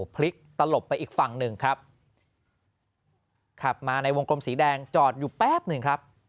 พลิกตลบไปอีกฝั่งหนึ่งครับขับมาในวงกลมสีแดงจอดอยู่แป๊บหนึ่งครับ